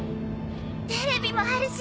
テレビもあるし！